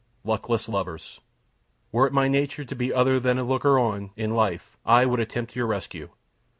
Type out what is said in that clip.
Luckless lovers! Were it my nature to be other than a looker on in life, I would attempt your rescue.